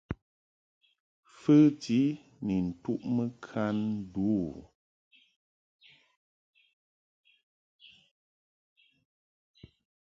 Fəti ni ntuʼmɨ kan ndu u.